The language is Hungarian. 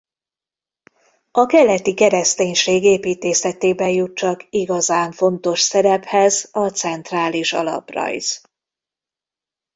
A keleti kereszténység építészetében jut csak igazán fontos szerephez a centrális alaprajz.